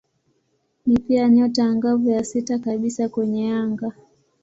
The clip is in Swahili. Ni pia nyota angavu ya sita kabisa kwenye anga.